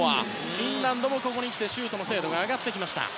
フィンランドも、ここに来てシュートの精度が上がりました。